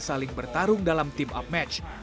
saling bertarung dalam team up match